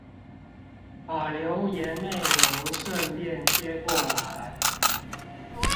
把留言內容順便貼過來